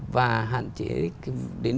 và hạn chế đến